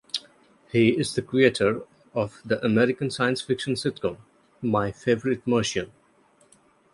He is the creator of the American science fiction sitcom "My Favorite Martian".